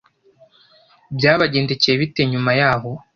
byabagendekeye bite nyuma yaho.